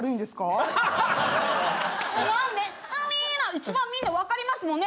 一番みんなわかりますもんね？